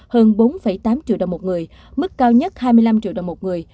hơn bốn tám triệu đồng một người mức cao nhất hai mươi năm triệu đồng một người